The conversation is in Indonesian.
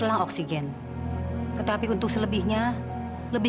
aku nggak nyangka kamu mau ketemu aku lagi